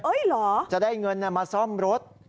เหรอจะได้เงินมาซ่อมรถ